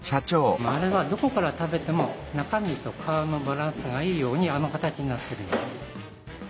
あれはどこから食べても中身と皮のバランスがいいようにあの形になってるんですね。